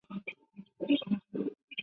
萨勒诺夫人口变化图示